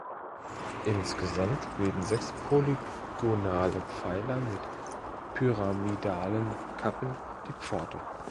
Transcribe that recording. Insgesamt bilden sechs polygonale Pfeiler mit pyramidalen Kappen die Pforte.